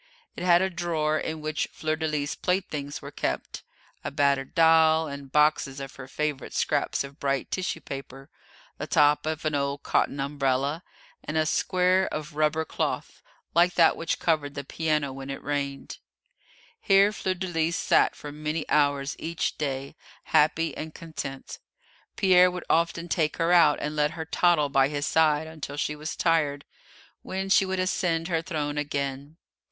It had a drawer in which Fleur de lis's playthings were kept a battered doll, and boxes of her favourite scraps of bright tissue paper, the top of an old cotton umbrella, and a square of rubber cloth like that which covered the piano when it rained. Here Fleur de lis sat for many hours each day, happy and content. Pierre would often take her out, and let her toddle by his side until she was tired, when she would ascend her throne again.